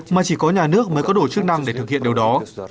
mà chỉ có nhà nước mới có đủ chức năng để thực hiện điều đó